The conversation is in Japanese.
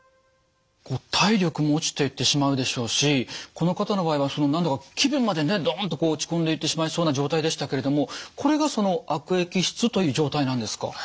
体力も落ちていってしまうでしょうしこの方の場合はその何だか気分までねドンとこう落ち込んでいってしまいそうな状態でしたけれどもこれがその悪液質という状態なんですか？